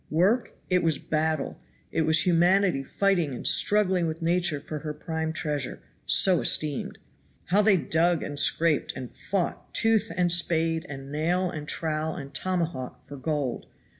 Work? It was battle; it was humanity fighting and struggling with Nature for her prime treasure (so esteemed). How they dug and scraped, and fought tooth, and spade, and nail, and trowel, and tomahawk for gold!